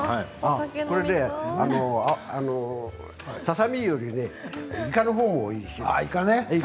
ささ身よりねいかの方もおいしいです。